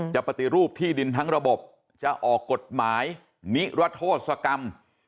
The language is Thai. ปฏิรูปที่ดินทั้งระบบจะออกกฎหมายนิรโทษกรรม